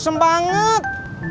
star ni lah